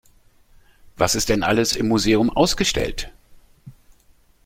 Was ist denn alles im Museum ausgestellt?